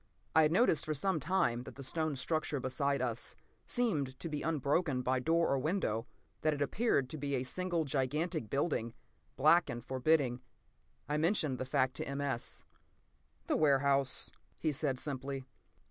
I had noticed for some time that the stone structure beside us seemed to be unbroken by door or window—that it appeared to be a single gigantic building, black and forbidding. I mentioned the fact to M. S. "The warehouse," he said simply.